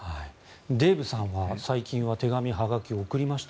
デーブさんは最近は手紙、はがき送りました？